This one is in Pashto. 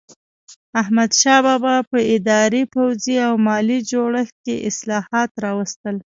احمدشاه بابا په اداري، پوځي او مالي جوړښت کې اصلاحات راوستل.